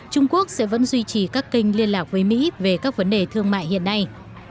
trung quốc sẽ vẫn duy trì các kênh liên lạc với mỹ về các vấn đề thương mại hiện nay